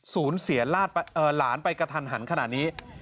สูญเสียหลานไปกระทันหันขนาดนี้